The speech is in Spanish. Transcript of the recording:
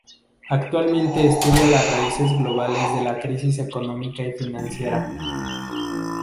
Actualmente estudia las raíces globales de la crisis económica y financiera.